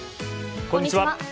こんにちは。